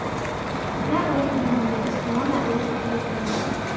مَا أُرِيدُ مِنْهُمْ مِنْ رِزْقٍ وَمَا أُرِيدُ أَنْ يُطْعِمُونِ